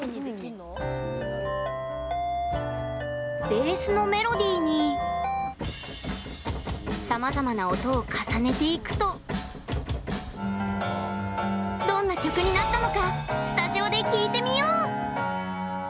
ベースのメロディーにさまざまな音を重ねていくとどんな曲になったのかさあ